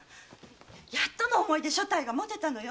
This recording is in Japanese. やっとの思いで所帯が持てたのよ。